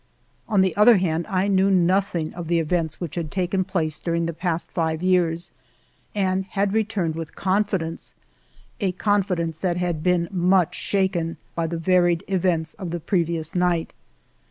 On the other hand, I knew nothing of the events which had taken place during the past five years, and had returned with confidence, — a con fidence that had been much shaken by the varied events of the previous night.